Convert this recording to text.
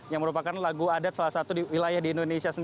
yang merupakan lagu adat salah satu di wilayah indonesia